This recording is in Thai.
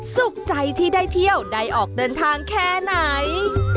สุขใจที่ได้เที่ยวได้ออกเดินทางแค่ไหน